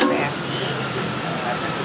saya mulau seharusnya boleh mulut